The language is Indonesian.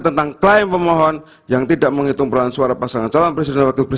tentang klaim pemohon yang tidak menghitung peran suara pasangan calon presiden dan wakil presiden